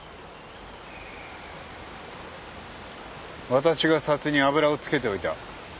私が札に油を付けておいた。